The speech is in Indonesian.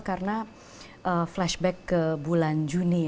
karena flashback ke bulan juni